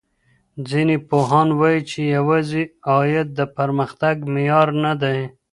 ځينې پوهان وايي چي يوازي عايد د پرمختګ معيار نه دی.